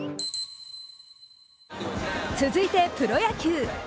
続いてプロ野球。